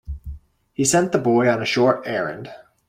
He sent the boy on a short errand.